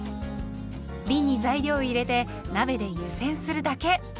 びんに材料を入れて鍋で湯煎するだけ。